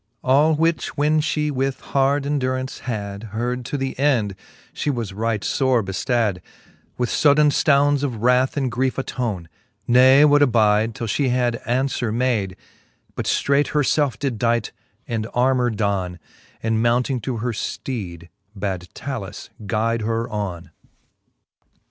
All which when fhe with hard enduraunce had Heard to the end, fhe was right fore beftad, With fodaine ftounds of wrath and griefe attone : l^e would abide, till fhe had aunfwere made, But ftreight herfelf did dight, and armour don; And mounting to her fteed, bad Talus guide her on.